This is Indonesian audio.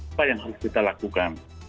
apa yang harus kita lakukan